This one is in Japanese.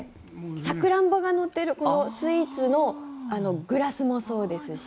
サクランボが乗っているスイーツのグラスもそうですし。